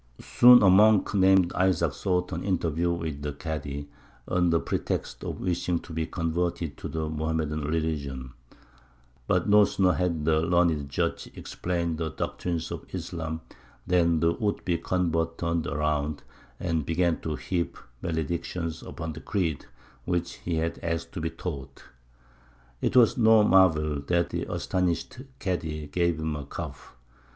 Soon a monk named Isaac sought an interview with the Kādy, on the pretext of wishing to be converted to the Mohammedan religion; but no sooner had the learned judge explained the doctrines of Islam than the would be convert turned round, and began to heap maledictions upon the creed which he had asked to be taught. It was no marvel that the astonished Kādy gave him a cuff.